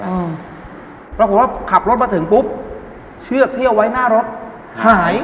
แล้วคงถ้าขับรถมาถึงปุ๊บเชือกที่เอาไว้หน้ารถหาย